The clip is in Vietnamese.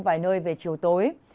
vài nơi về chiều tối